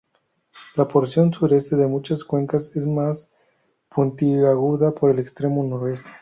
La porción sureste de muchas cuencas es más puntiaguda que el extremo noroeste.